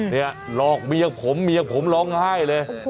เนี่ยหลอกเมียผมเมียผมร้องไห้เลย